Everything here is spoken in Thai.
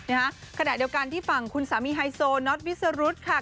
ในขณะเดียวกันที่ฟังคุณสามีไฮโซนอสวิสรุทธ์ค่ะ